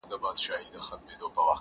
o بيا چي يخ سمال پټيو څخه راسي.